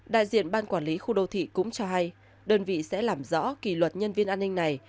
đại diện ban quản lý khu đô thị cũng cho hay đơn vị sẽ làm rõ kỷ luật nhân viên an ninh này